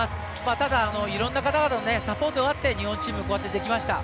ただ、いろんな方々のサポートがあって日本チームこうやってできました。